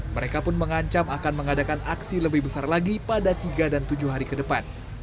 mereka pun mengancam akan mengadakan aksi lebih besar lagi pada tiga dan tujuh hari ke depan